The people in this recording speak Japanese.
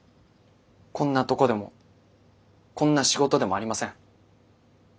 「こんなとこ」でも「こんな仕事」でもありません。